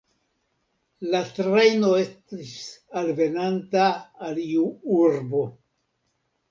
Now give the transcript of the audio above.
La trajno estis alvenanta al iu urbo.